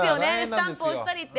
スタンプ押したりって。